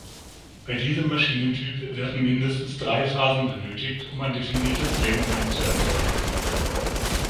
Bei diesem Maschinentyp werden mindestens drei Phasen benötigt, um ein definiertes Drehmoment zu erzeugen.